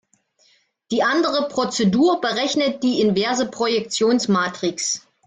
Die andere Prozedur berechnet die inverse Projektionsmatrix.